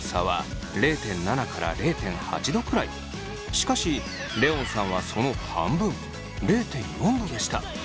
しかしレオンさんはその半分０．４℃でした。